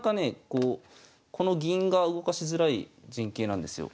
こうこの銀が動かしづらい陣形なんですよ。